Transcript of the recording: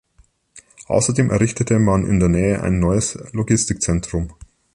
Außerdem errichtete man in der Nähe ein neues Logistikzentrum.